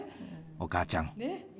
お母ちゃん